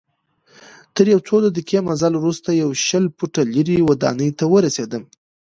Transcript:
تر یو څو دقیقې مزل وروسته یوه شل فوټه لوړي ودانۍ ته ورسیدم.